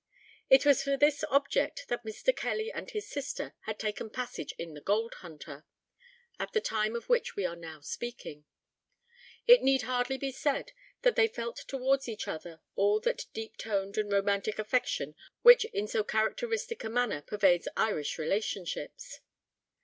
It was for this object that Mr. Kelly and his sister had taken passage in the Gold Hunter, at the time of which we are now speaking. It need hardly be said, that they felt towards each other all that deep toned and romantic affection which in so characteristic a manner pervades Irish relationships.